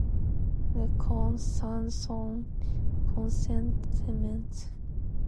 Records sans son consentement.